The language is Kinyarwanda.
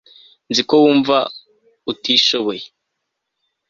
nzi ko wumva utishoboye